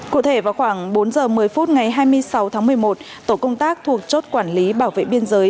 cụ thể vào khoảng bốn giờ một mươi phút ngày hai mươi sáu tháng một mươi một tổ công tác thuộc chốt quản lý bảo vệ biên giới